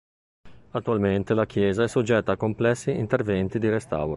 Attualmente la chiesa è soggetta a complessi interventi di restauro.